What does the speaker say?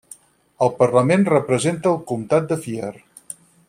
Al parlament representa al Comtat de Fier.